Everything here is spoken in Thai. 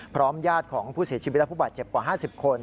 ญาติของผู้เสียชีวิตและผู้บาดเจ็บกว่า๕๐คน